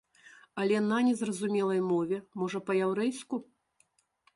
Але на незразумелай мове, можа, па-яўрэйску.